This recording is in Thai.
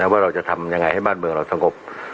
ว่าเราจะทำยังไงให้บ้านเมืองเราสงบ